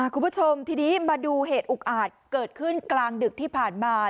คุณผู้ชมทีนี้มาดูเหตุอุกอาจเกิดขึ้นกลางดึกที่ผ่านมา